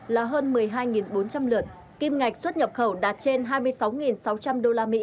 là hơn một mươi hai bốn trăm linh lượt kim ngạch xuất nhập khẩu đạt trên hai mươi sáu sáu trăm linh usd